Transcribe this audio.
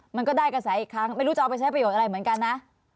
มันก็ได้กระแสอีกครั้งไม่รู้จะเอาไปใช้ประโยชน์อะไรเหมือนกันนะ